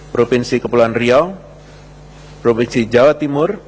provinsi kepulauan riau provinsi jawa timur